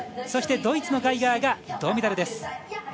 そして、ドイツのガイガーが銅メダルです。